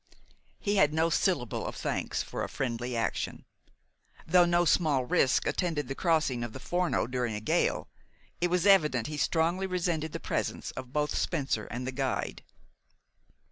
He had no syllable of thanks for a friendly action. Though no small risk attended the crossing of the Forno during a gale, it was evident he strongly resented the presence of both Spencer and the guide.